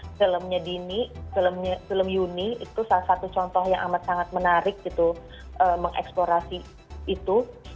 karena filmnya dini film yuni itu salah satu contoh yang amat sangat menarik gitu mengeksplorasi itu